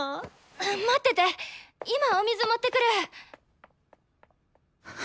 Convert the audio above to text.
待ってて今お水持ってくる！